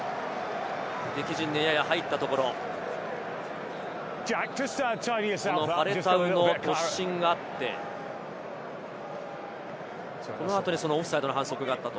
敵陣にやや入ったところ、このファレタウの突進があって、この後にオフサイドの反則があったと。